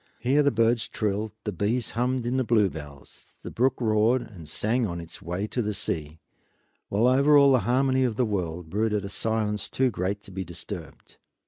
Here the birds trilled, the bees hummed in the bluebells, the brook roared and sang on its way to the sea; while over all the harmony of the world brooded a silence too great to be disturbed.